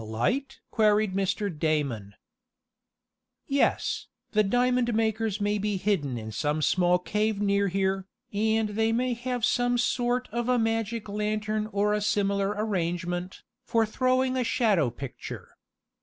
"A light?" queried Mr. Damon. "Yes, the diamond makers may be hidden in some small cave near here, and they may have some sort of a magic lantern or a similar arrangement, for throwing a shadow picture.